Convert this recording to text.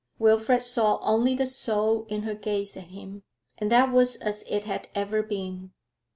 Wilfrid saw only the soul in her gaze at him, and that was as it had ever been.